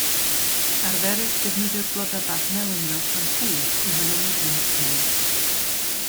Arferid defnyddio'r blodau bach melyn fel siampŵ i felynu gwallt merch.